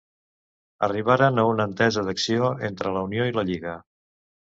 Arribaren a una entesa d'acció entre la Unió i la Lliga.